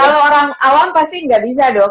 kalau orang awam pasti gak bisa dok